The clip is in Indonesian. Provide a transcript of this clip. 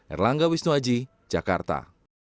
erlangga wisnuwaji jakarta